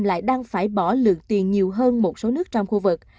lại đang phải bỏ lượng tiền nhiều hơn một số nước trong khu vực